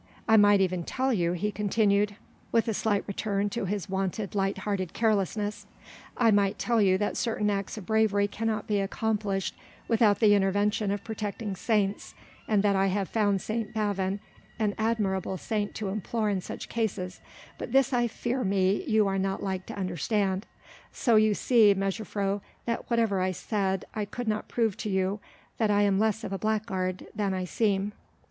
I might even tell you," he continued with a slight return to his wonted light hearted carelessness, "I might tell you that certain acts of bravery cannot be accomplished without the intervention of protecting saints, and that I have found St. Bavon an admirable saint to implore in such cases, but this I fear me you are not like to understand. So you see, mejuffrouw, that whatever I said I could not prove to you that I am less of a blackguard than I seem."